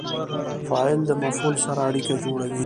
فاعل د مفعول سره اړیکه جوړوي.